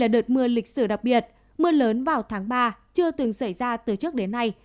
đợt mưa lịch sử đặc biệt mưa lớn vào tháng ba chưa từng xảy ra từ trước đến nay